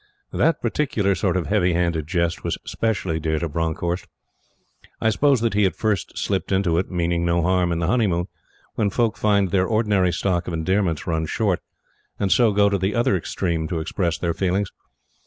That particular sort of heavy handed jest was specially dear to Bronckhorst. I suppose that he had first slipped into it, meaning no harm, in the honeymoon, when folk find their ordinary stock of endearments run short, and so go to the other extreme to express their feelings.